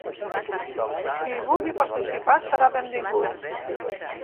Qui hi vulgui participar, serà benvingut.